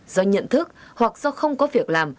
do nhận thức hoặc do không có việc làm